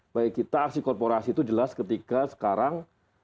baik kita aksi korporasi itu jelas ketika sekarang